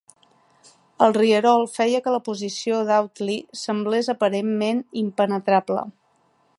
El rierol feia que la posició d'Audley semblés aparentment impenetrable.